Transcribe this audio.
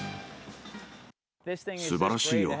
すばらしいよ。